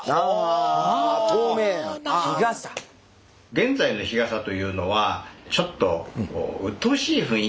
現在の日傘というのはちょっとうっとうしい雰囲気がですね